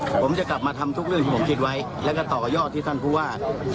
ผมจะกลับมาทำทุกเรื่องที่ผมคิดไว้แล้วก็ต่อยอดที่ท่านผู้ว่า